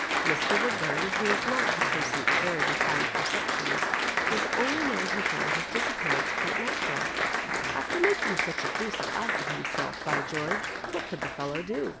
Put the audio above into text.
Mr. Woodbum, who was not a person of very reined perceptions, was the only man who found his disappearance quite na tural *' Alter making such a deuced ass of him* self; by George I what could the fellow do